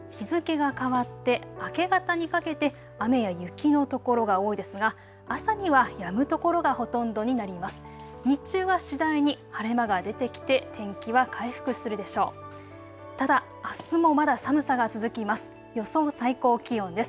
このあと日付が変わって明け方にかけて雨や雪の所が多いですが朝にはやむ所がほとんどになります。